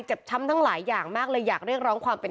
ช้ำทั้งหลายอย่างมากเลยอยากเรียกร้องความเป็น